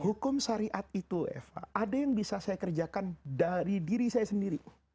hukum syariat itu eva ada yang bisa saya kerjakan dari diri saya sendiri